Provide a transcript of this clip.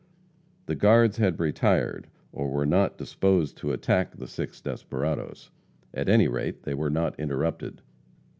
The guards had retired, or were not disposed to attack the six desperadoes. At any rate, they were not interrupted.